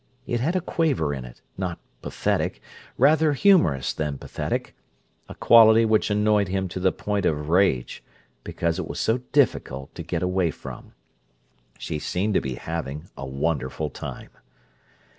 It had a quaver in it, not pathetic—rather humorous than pathetic—a quality which annoyed him to the point of rage, because it was so difficult to get away from. She seemed to be having a "wonderful time!"